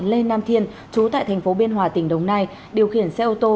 lê nam thiên chú tại thành phố biên hòa tỉnh đồng nai điều khiển xe ô tô